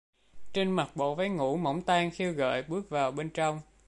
Trinh mặc bộ váy ngủ mỏng tang khiêu gợi bước vào bên trong